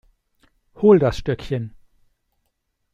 Hol das Stöckchen.